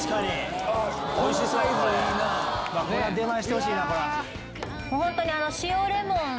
出前してほしいなこれ。